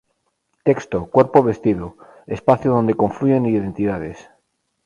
Texto: Cuerpo vestido: espacio dónde confluyen identidades.